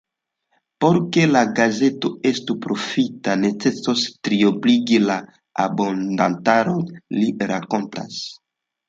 Por ke la gazeto estu profita, necesos triobligi la abontantaron, li rakontas.